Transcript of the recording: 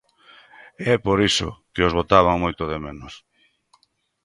É por iso que os botaban moito de menos.